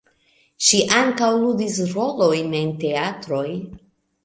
Ŝi ankaŭ ludis rolojn en teatroj.